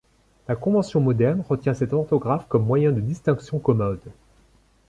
La convention moderne retient cette orthographe comme moyen de distinction commode.